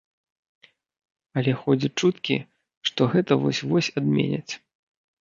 Але ходзяць чуткі, што гэта вось-вось адменяць.